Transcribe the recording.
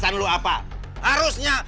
harusnya lo siapin dari jadinya